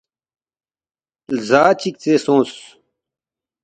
لزا چِک ژے سونگس